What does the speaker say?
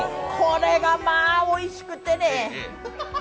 これがまあ、おいしくてね。